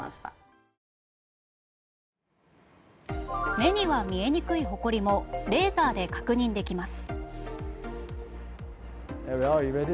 目には見えにくいほこりもレーザーで確認できます。